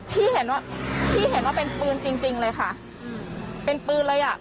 พี่เห็นว่าเป็นปืนจริงเลยค่ะเป็นปืนเลยอ่ะ